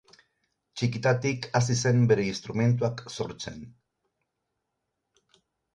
Txikitatik hasi zen bere instrumentuak sortzen.